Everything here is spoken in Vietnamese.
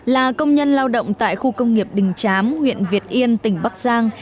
là công nhân lao động tại khu công nghiệp đình chám huyện việt yên tỉnh bắc giang